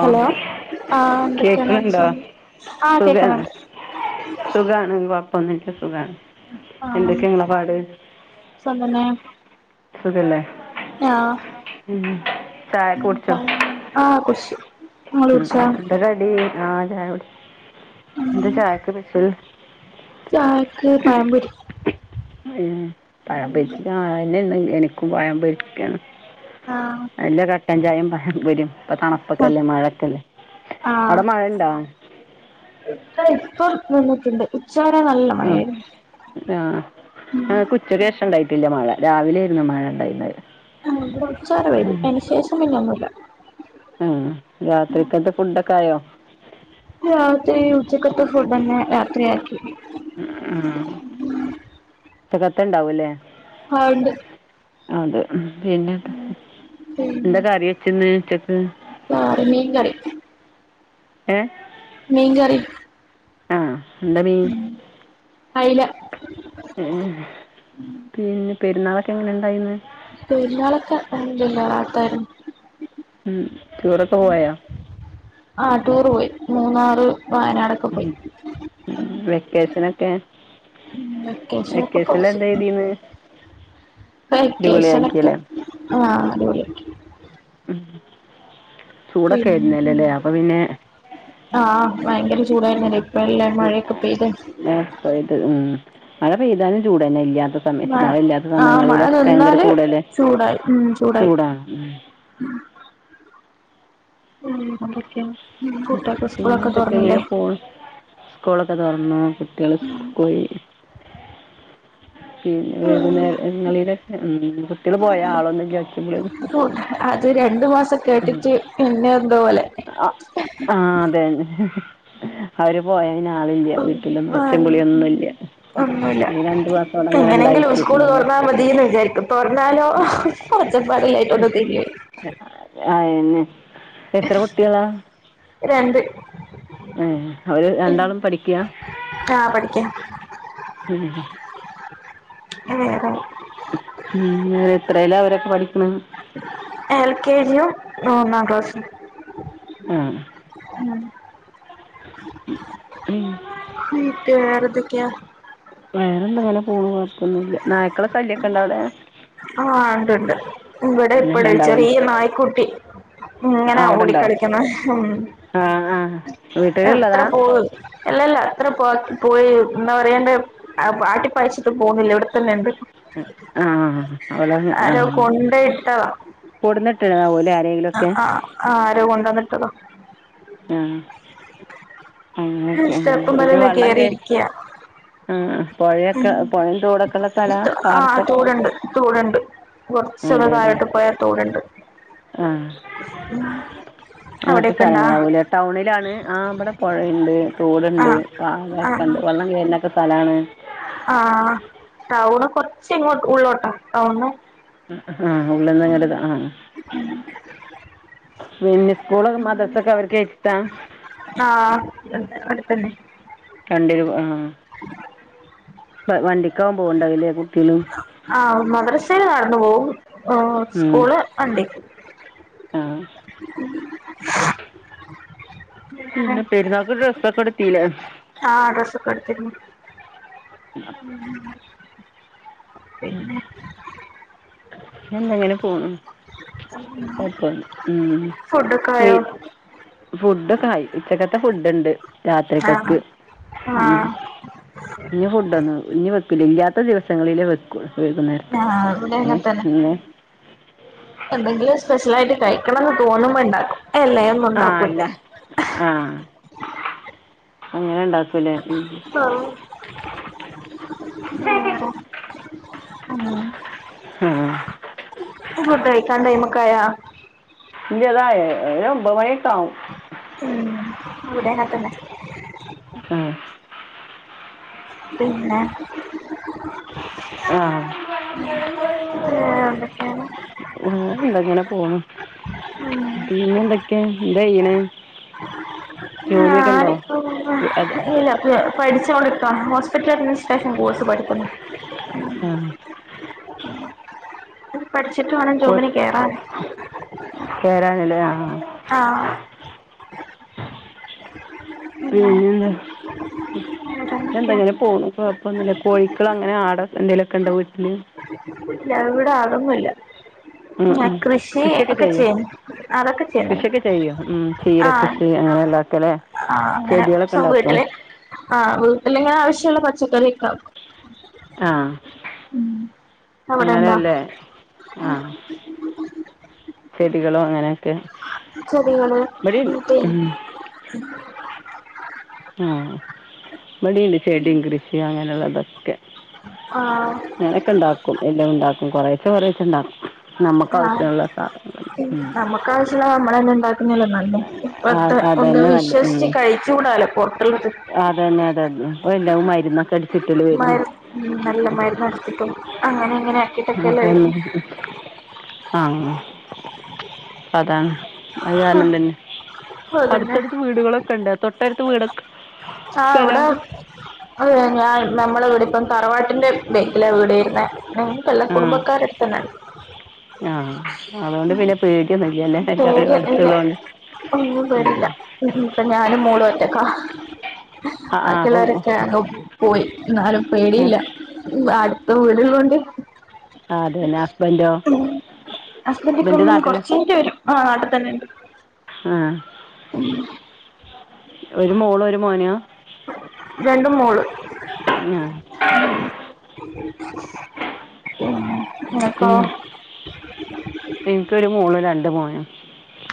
Hello ആഹ് എന്തൊക്കെ കേൾക്കുന്നുണ്ടോ [unintelligible] ആ സുഖാണ് കേക്കണുണ്ട് [unintelligible] സുഖ ആണ് എന്തൊക്കെയാ നിങ്ങളെ പാട് സുഖല്ലെ ഞാ ചായയൊക്കെ കുടിച്ചോ ആഹ് കുടിച്ച് ച്ചു ഉം എന്തരടി ആൻ ചായ കുടിച് ന്താ ചായയ്ക്ക് സ്പെഷ്യൽ ചായയ്ക്ക് പഴംപൊരി അയ്യേ പഴം പൊരിച്ച ആ എണ്ണണ്ടെങ്കി എനിക്കും പഴം പൊരിയ്ക്കണം ആ ട്ടൻചായിം പഴംപൊരിം ഇപ്പൊ തണുപ്പൊക്കെല്ലേ മഴക്കെല്ലേ ആ അവിടെ മഴണ്ടോ ഇവിടെ ഇപ്പം നിന്നിട്ടുണ്ട് ഉച്ചവരെ നല്ല ആ മഴയായിരുന്നു ആ ആ ഞങ്ങക്ക് ഉച്ചക്ക് ശേഷം ഉണ്ടായിട്ടില്ല മഴ രാവിലെ ആയിരുന്നു മഴ ഉണ്ടായിരുന്നത് ആ കൊർച്ചേരം പെയ്തു അയ്ന് ശേഷം പിന്നെ ഒന്നുല്ല ആ രാത്രിക്കത്തെ ഫുഡൊക്കെ ആയോ രാത്രി ഉച്ചക്കത്തെ ഫുഡ് ന്നെ രാത്രിയാക്കി ആഹ ഉച്ചക്കത്തെ ഉണ്ടാവൂല്ലേ ഹാ ഉണ്ട് അതെ ളം പിന്നെ എന്താ പിന്നെ എന്താ കറി വെച്ചന്ന് ഉച്ചക്ക് വേറെ മീൻ കറി ഏ മീൻ കറി ആഹ എന്താ മീ അയില ഏ പിന്നെ പെരുന്നാളൊെക്കെ എങ്ങനെ ഇണ്ടായിരുന്നു പെരുന്നാളൊക്കെ അൽ ഹംദുലില്ല റാഹത്തിയിരുന്നു ഉം ടൂറൊക്കെ പോയോ ആഹ് ടൂറ് പോയി മൂന്നാറ് വയനാടൊക്കെ പോയി ക്കെ വെക്കേഷനൊക്കെ വെക്കേഷൻല് പൊളിച്ച് എന്താ എയ്തീന്ന് വെക്കേഷനൊക്കെ ആഹ അടിപൊളിയാക്കി ഉം ചൂടൊക്കെ പിന്നെ ആരുന്നല്ലേല്ലേ അപ്പൊ പിന്നെ ആഹ് ഭയങ്കര ചൂ അ പെയ്ത് ആ മഴ പെയ്താലും ചൂടന്നെ ഇല്ല സയത്ത് മഴ മഴയില്ലാത്ത ആഹ് മഴ സമയങ്ങളിലൊക്കെ ഭയങ്കര നിന്നാല് ചൂടല്ലേ ചൂടായി ഉം ചൂടായി ചൂടാണ് ഉം അതൊക്ക പിന്നെന്തൊക്കെ, ഇങ്ങനെ പോണു. സ്കൂളൊക്കെ തുറന്നു കുട്ടികൾ സ്ക്കൂൾക്കോയി. പിന്നെ വൈകുന്നേരങ്ങളിലൊക്കെ, ഉം... കുട്ടികൾ പോയാ ആളൊന്ന് ഇല്ല ഒച്ച [unintelligible] അത് രണ്ടു മാസം ഉം കേട്ടിട്ട് പിന്നെ എന്തോ പോലെ അ.. ആ.. അതെന്നെ അവരുപോയേതിനാ ഉം ആ അങ്ങ് ഉം അങ്ങനെ ഈ രണ്ട് മാസം അവിടെ അങ്ങനെ എങ്ങനെങ്കിലും ഉണ്ടായിട്ട് ഉസ്കൂള് തൊറന്നാ മതീയെന്ന് വിചാരിക്കും. തുറന്നാലോ ഉം ഒച്ചപ്പാട് ഇല്ലായിട്ട് ഒന്ന് [unintelligible] അതന്നെ എത്ര കുട്ടികളാ രണ്ട് ഏ അവര് രണ്ടാളും പഠിക്ക്യാ ആ പഠിക്കാം ഉം വേറെ ഉം എത്രേലാ അവരൊക്കെ പഠിക്ക്ണ് മൂന്നാംക്ലാസ്സിൽ അ ഉം വീട്ടിൽ വേറെന്തൊക്കെയാ വേറെന്താങ്ങനെ പോണു കൊഴപ്പൊന്നുല്ല നായ്ക്കളെ ശല്യക്കെണ്ടോ അവിടെ? ആ ഉണ്ടുണ്ട് ഇവിടെ എല്ലാം ഇപ്പളും ഉണ്ടാവുമല്ലേ ചെറിയ നായ്ക്കുട്ടി ഇങ്ങനെ ആ അവിടെ ഉണ്ടോ ഓടിക്കളിക്കുന്നേ ഹും ആ ആ അ എത്ര വീട്ടിലുള്ളതാ പോ അല്ലല്ല എത്രപോ പോയെന്ന് എന്താ പറയേണ്ട് ആട്ടിപ്പായിച്ചിട്ടും പോണില്ല. ഇവിടെത്തന്നെയുണ്ട്. അ ആ അവളങ്ങ് ആരോ കൊണ്ടുപോയിട്ടതാ കൊടുന്നിട്ടതാവുലെ ആരേലൊക്കെ? അതോ ആ അങ്ങനെയൊക്കെ ഉം സ്റ്റെപ്പുമ്മലെല്ലാം പിന്നെവെള്ളംകേറി കേറിയിരിക്കയ ആ പൊയേക്കെ പൊയേം തോടൊക്കെള്ള സ്ഥലാ ആ പാടത്തൊക്കെ തോടുണ്ട് തോടുണ്ട് കുറച്ചൊന്ന് അതേല്ലേ താഴോട്ട് പോയാ തോടുണ്ട് ആ അങ്ങനത്തെ അവിടെയൊക്കെ ഇണ്ടാ സ്ഥലങ്ങളാവുല്ലേ ടൗണിലാണ് ആ ഇബടെ പൊയേണ്ട്. ആ തോടുണ്ട് അ [unintelligible] ക്കെണ്ട് വെള്ളംകേറുന്നൊക്കെ സ്ഥലണ് അ ആ ടൗണ് കൊറച്ചിങ്ങോട്ട് ഉള്ളോട്ടാ ടൗണ് ആ ഉള്ളിന്നിങ്ങട്ട് കാണ ആ പിന്നെ സ്‌കൂളും മദ്രസ്സും ഒക്കെ അവർക്ക് എടുത്ത? ആ അടുത്തന്നെ രണ്ട് രൂപ ആ ഇപ്പ വണ്ടി [unintelligible] കുട്ടിയള് മദ്രസയില് നടന്ന്പോകും. ഓ സ്കൂള് വണ്ടിക്ക് ആ പിന്നെ പെര്ന്നാക്ക് ഡ്രസ്സൊക്കെ ട്ത്തില്ലേ? ആ ഡ്രസ്സൊക്കെ എടുത്തിരുന്നു പിന്നെ എന്തെങ്ങനെ പോണു [inaudible] ഫുഡക്കായോ ഫുഡൊകായി ഉച്ചക്കത്തെ ഫുഡ് ണ്ട് ആ രാത്രികക്ക് ആ ഉ ഇനി ഫുഡൊന്നും ഇനി വെക്കൂല്ല ഇല്ലാത്ത ദിവസങ്ങളിലെ വെകൊള്ളൂ ആഹ് ഇവിടെ അങ്ങനത്തന്നെ [inaudible] എന്തെങ്കിലും സ്പെഷല് ആയിട്ട് കയിക്കണംന്ന് തോന്നുമ്പോ ഇണ്ടാക്കും എല്ലേ ഒന്നും ആ അല്ല ഉണ്ടാക്കൂല്ലേ ആ അങ്ങനെ ഉണ്ടാ ആ [inaudible] നത ഉം [inaudible] ആ ഉപയോഗികാണ്ടയിമെ കയാ ഇന്റെതായ ഒരു ഒമ്പത് മണിക്കാവും ഉം അവിടെം അങ്ങനെ തന്നെ ആ [inaudible] പിന്നെ ആ [unintelligible] എന്തൊക്കെയാണ് [unintelligible] എന്താ ഇങ്ങനെ പോണ് പിന്നെ എന്തൊക്കെയാ എന്താ ചെയണ് ആപ്പോ അത് ഇല്ല അ [unintelligible] പഠിചോണ്ടിക്ക ഹോസ്പിറ്റൽ അഡ്മിനിസ്ട്രേഷൻ കോഴ്സ് പഠിക്കുന്നു ആ പഠിച്ചിട്ട് വേണം ജോബിന് കേറാൻ കേറാനല്ലേ ആ ആ പിന്നെ എന്താ വേറെന്തൊക്കെയാ എന്തങ്ങനെ പോണു കുഴപ്പൊന്നും ഇല്ല കോഴികള് അങ്ങനെ ആട്എന്തേലൊക്കെ ഇണ്ടോ വീട്ടില് ഞൻ ഇവിടെ ആടൊന്നില്ല ഞാൻ കൃഷി കൃഷിയൊക്കെ ഒക്കെ ചെയ്യോ ചെയ്യുന്നു അതൊക്കെ ചെയ്യുന്നുണ്ട് കൃഷിയൊക്കെ ചെയ്യോ ചീര ആ കൃഷി അങ്ങനെയുള്ളതൊക്കെ അല്ലേ ആ അങ്ങനെ ചെടികളൊക്കെ സോ ഉണ്ടാക്കുമോ വീട്ടില് ആ വീട്ടില് ഇങ്ങെനെ ആവശ്യ [unintelligible] പച്ചക്കറി ഒക്കെ ആ അവിടെണ്ടോ അങ്ങനല്ലേ ആ ചെടികളും അങ്ങനെക്കെ ചെടികള് [unintelligible] ആ ഇബടിണ്ട് ചെടിം കൃഷിം അങ്ങനെള്ളതൊക്കെ ആഹ് ഞാനൊക്കെണ്ടാക്കും എല്ലോണ്ടാക്കും കൊറേച്ചെ കൊറേച്ചെണ്ടാക്കും നമ്മക്കാവശ്യള്ളൊക്കെ. നമക്കാശ്യള്ളെ നമ്മളന്നെ ണ്ടാക്ക്ണല്ലേ നല്ലേ ആ ഇപ്പത്തെ അത് ഒന്നും തന്നെ നല്ലത് വിശ്വസിച്ച് കഴിച്ചുടാലോ [unintelligible] താണ് ഇപ്പല്ലാം മര്ന്നൊക്കടി മര് ഉം നല്ല മര്ന്നട് ച്ച്ട്ടെ അങ്ങനിങ്ങനെ ആക്കീട്ടൊക്കല്ലേ അപ്പോൾ ഒന്ന് വെര്ന്നേ. ആ അതാണ് അഅ് കാരണം തന്നെ അതന്നെ അട്ത്തട്ത്ത് വീടുകളൊ ക്കണ്ടോ തൊട്ടട്ത്ത് വിടൊക്ക ആ ഇവടെ അ ഞാൻ ഞമ്മളിവിടപ്പം തറവാട്ടിന്റെ ബാക്ക്ലാ വീട് [unintelligible] ആ കുടുംബക്കാരട്ത്തന്നെ പേ തോര അല്ല ഒന്നും പേടില്ല ഞാനും [unintelligible] ഞാനും മോളും ഒറ്റക്കാ ആ ആ അപ്പം ബാക്കിള്ളേരൊക്കെ അം പോയി ന്നാലും പേടില്ല ന്നാലും വീട്ള്ളോണ്ട് അതന വല്ലോ ഹസ്ബന്റ്പ്പൊ കൊർച്ചേനിട്ട് വരും ആ നാട്ട് തന്നെണ്ട് ആ ഒരു മോളും ഒരു മോനുഅ രണ്ട് മോള് ആ അപ്പൊ ഉം ഇൻക് ഒരു മോളും രണ്ട് മോനും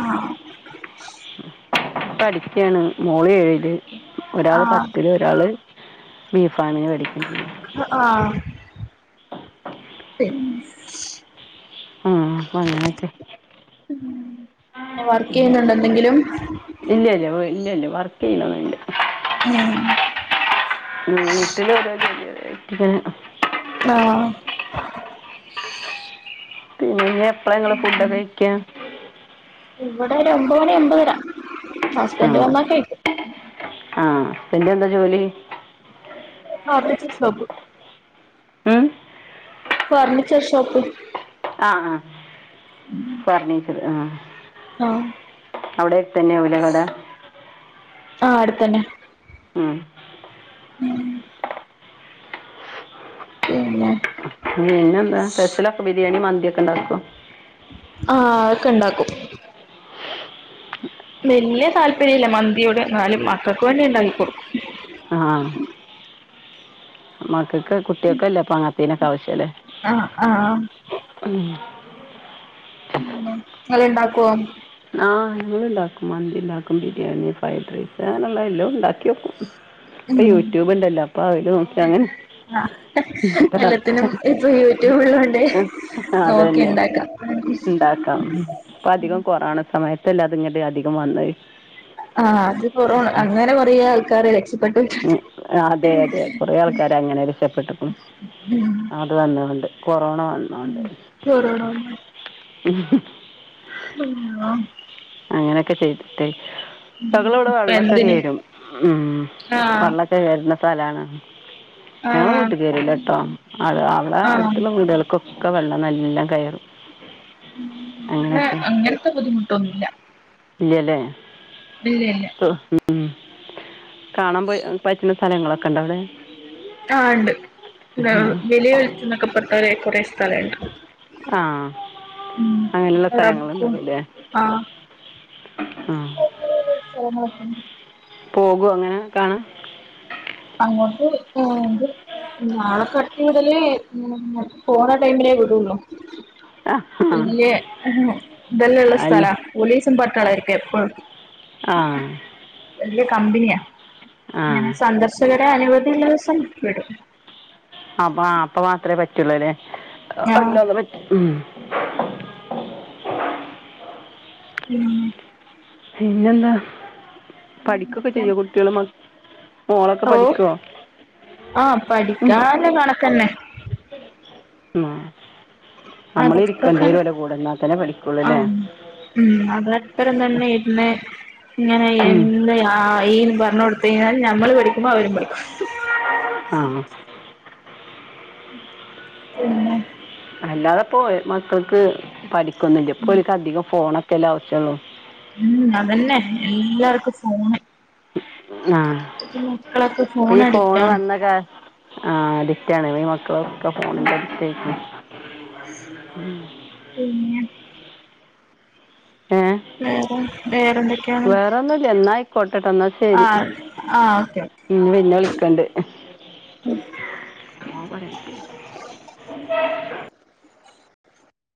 ആ പഠിക്കാണ് മോള് ഏഴില് ആ ഒരാള് പത്തില് ഒരാള് ബി ഫാർമിന് പഠിക്കാ അ ആ ഉം ഉം അങ്ങനൊക്കെ പിന്നെ വർക്ക് ചെയ്യുന്നുണ്ടോ എന്തെങ്കിലും ഇല്ല ഇല്ല ഇല്ല ഇല്ല വർ ക്കെയ്യണൊന്നുല്ല ഉം വീട്ടില് ഓരോ ജോലികള് [unintelligible] ആഹ് പിന്നെ ഇവിടെ ഒരു ഒമ്പ മണി ഒമ്പതര ആ ഹസ്ബൻഡ് വന്ന കഴിക്കും എന്റെ എന്താ ജോലി ഫർണീച്ചർഷോപ്പ് ഉം? ഫർണിച്ചർ ഷോപ്പ് ആഹ ആഹ ഫർണിച്ചർ ആ ആഹ അവിടെക്കെ തന്നെയകട ആഹ അടുത്തന്നെ ഉഹ ഉം ഉം [unintelligible] ഇന്ന് എന്താ സ്പെഷ്യലൊക്കെ ബിരിയാണി, മന്തി ഒക്കെ ഉണ്ടാക്കും ആ. ഒക്കെ ഉണ്ടാക്കും വല്യ താല്പര്യ ഇല്ല മന്തിയോട് എന്നാലും മക്കൾക്ക് വണ്ടി ഉണ്ടാക്കി കൊടുക്കും മക്കക്ക് കുട്ടിയക്കെല്ല ഇപ്പൊ അങ്ങനത്തെ അതിനൊക്ക ആവശ്യല്ലേ ആഹ ആഹ ഉം ഉ നല്ല ഉണ്ടാക്കുമോ ആഹ ഞങ്ങള് ഉണ്ടാക്കും മന്തി ഉണ്ടാക്കും ചിക്കൻ ബരിണി, ഫ്രൈഡറൈസ് തരാൻ ഉള്ളത് എല്ലാം ഉണ്ടാക്കി വക്കും ഇപ്പൊ യൂട്യൂബ് ഉണ്ടല്ലോ അപ്പൊ അവര് നോക്കി അങ്ങനെ എല്ലത്തിനും ഇപ്പൊ യൂട്യൂബുള്ളോണ്ട് അത് നോക്കി തന്നെ ഇണ്ടാക്കാം ഇണ്ടാക്കാം ഇപ്പൊ അധികം കൊറാണ് സമയത്തല്ല അതിങ്ങട്ട അധികം വന്നത് ആഹ് അത് കൊറോ അന്നര കൊറയാ കറി ആണ് ഇഷ്ട്ടം ഉ അതെ അതെ കുറേ ആൾക്കാര അങ്ങനെ രക്ഷപ്പെട്ടിു അത് വന്ന കൊണ്ട് കൊറോണ വന്നൊണ്ട് കൊറോണ ആ ആ അങ്ങനെയൊക്കെ ചെയ്തിട്ടെ ഞങ്ങടെ ഇവിടെ ഇപ്പ വെള്ളമൊക്കെ എന്തിന് കയറും ഉ ആഹ് വെള്ളമൊക്കെ കറുന്ന [unintelligible] ഞങ്ങലെ ആഹ് വീട്ടിക്ക്‌ വരൂലട്ടാഅത് അവ്ട ആഹ് അടുത്തുള്ള വീടാൾക്കൊ ഒക്കെ വെള്ളം നല്ലോം കയറും. ഇവടെ അങ്ങനെയൊക്കെ അങ്ങനത്തെ ബുദ്ധിമുട്ടൊന്നും ഇല്ല ഇല്ലാലെ ഇല്ല്യ ഇല്യ ഉം കാണാൻ പ പറ്റുന്ന സ്ഥലങ്ങള ഇണ്ടാവടെ ആ ഇണ്ട് [unintelligible] ഹ്ഹ്ഹ് ആഹ് അതിനുള്ള സ്ഥലങ്ങള് റബ്ക്കും ഉണ്ടാവുല്ലേ ആഹ് ആഹ് യഹ്ഹ് പോകോ അങ്ങനെ കാണാ മോൾക്ക് ഉം [unintelligible] പോന്ന ടൈമിലെ വിടുള്ളു ആ ആ പിന്നെല്യേ ഇതെല്ലാ ഇള്ള അല്ല സ്ഥലാ പോലീസു പട്ടാളം ആയിരിക്കും എപ്പഴും ആ വലിയ കമ്പനിയാ, ഞാൻ ആ സന്ദർ [unintelligible] അനുമദിള്ള ദിവസം വിടും അപ്പ അപ്പ മാത്രേ പ ആ [unintelligible] [unintelligible] ഉം പിന്നെന്താ പഠിക്കൊക്കെ എന്തൊക്കെയാ ചെയ്യോ കുട്ടിയോളും മ ഓ ആ പഠിക്കാൻ കണക്കന്നെ ഉം നമ്മള് അതൊക്കെ ഇരിക്കണ്ടിവരു ഓലെ കൂടെഇന്നാതെന്നെ പഠിക്കുള്ളു ലേ ഒപ്പരം തന്നെ ഇരുന്ന് ഉം. എങ്ങെനെയെന്നെ ആ ഈ പറഞ്ഞു കൊടുത്ത് കഴിഞ്ഞാൽ നമ്മള് പഠിക്കുമ്പോ അവരും പഠിക്കും. ആ പിന്നെ അല്ലാതെ പ്പം മക്കക്ക് പഠി [unintelligible] ഇപ്പോൽക്കധികം ഇല്ല അധികം ഫോണ [unintelligible] ആവശ്യൊള്ളു ഉം അതന്നെ എല്ലാർക്കും ഫോണ് ആഹ ഇപ്പത്തെ മക്കളൊക്കെ ഇപ്പ ഫോൺ ഈ ഫോണ് അഡിക്റ്റാണ് വന്ന ആ അഡിക്റ്റാണ് ഈ മക്കളക്കെ ഫോണിന്റെ അടുത്തയിക്കും ഉം പിന്നെ [unintelligible] വേറെന്നുല്ല എന്നായിക്കോട്ടെട്ടോ എന്നാ ശരി ആഹ് ആഹ് ഓക്കെ ഇനി പിന്നെ വിളിക്കണ്ട്.